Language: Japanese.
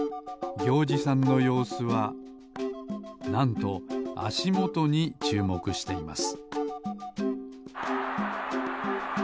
ぎょうじさんのようすはなんとあしもとにちゅうもくしています